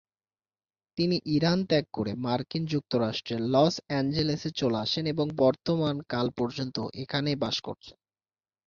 তিনি ইরান ত্যাগ করে মার্কিন যুক্তরাষ্ট্রের লস অ্যাঞ্জেলেসে চলে আসেন এবং বর্তমান কাল পর্যন্ত এখানেই বাস করছেন।